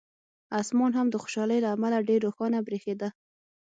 اسمان هم د خوشالۍ له امله ډېر روښانه برېښېده.